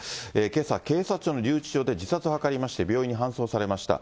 けさ、警察署の留置場で自殺を図りまして、病院に搬送されました。